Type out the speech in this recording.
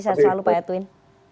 saya selalu pak edwin